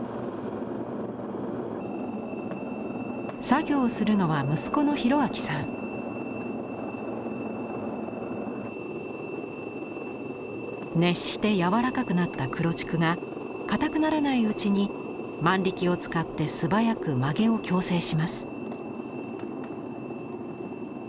作業するのは息子の熱して柔らかくなった黒竹がかたくならないうちに万力を使って素早く曲げを矯正します。